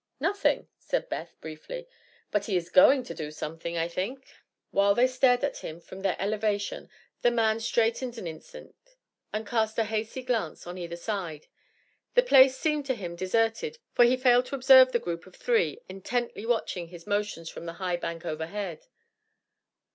"Nothing," said Beth, briefly. "But he is going to do something, I think." While they stared at him from their elevation the man straightened an instant and cast a hasty glance to either side. The place seemed to him deserted, for he failed to observe the group of three intently watching his motions from the high bank overhead.